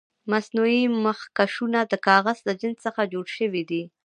مصنوعي مخکشونه د کاغذ له جنس څخه جوړ شوي دي.